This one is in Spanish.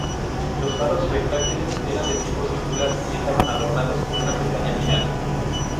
Los Faros retráctiles eran de tipo circular y estaban adornados con una pestaña final.